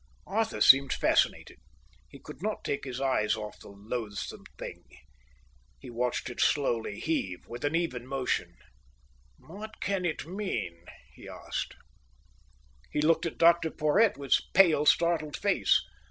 Arthur seemed fascinated. He could not take his eyes off the loathsome thing. He watched it slowly heave with even motion. "What can it mean?" he asked. He looked at Dr Porhoët with pale startled face.